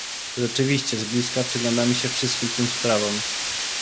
Rzeczywiście z bliska przyglądamy się wszystkim tym sprawom